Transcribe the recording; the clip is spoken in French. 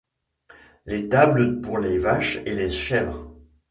l'étable pour les vaches et les chèvres